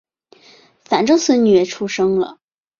反正孙女也出生了